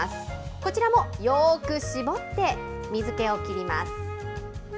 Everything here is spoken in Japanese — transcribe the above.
こちらもよーく絞って水けを切ります。